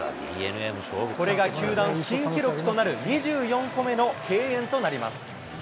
これが球団新記録となる２４個目の敬遠となります。